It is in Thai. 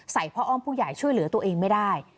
พ่ออ้อมผู้ใหญ่ช่วยเหลือตัวเองไม่ได้